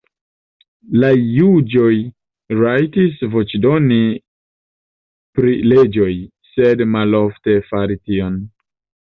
La juĝoj rajtis voĉdoni pri leĝoj, sed malofte faris tion.